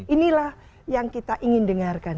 inilah yang kita ingin dengarkan